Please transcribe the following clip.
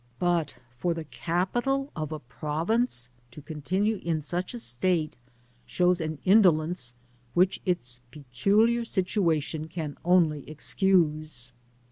but for the capital of a province to continue in such a state, shows an indolence, which its peculiar cdtu^ ation can only excuse.